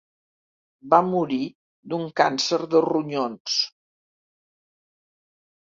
Va morir d'un càncer de ronyons.